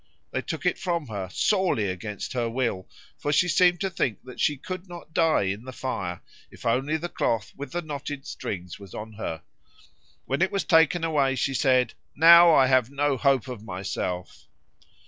They took it from her, sorely against her will, for she seemed to think that she could not die in the fire, if only the cloth with the knotted strings was on her. When it was taken away, she said, "Now I have no hope of myself."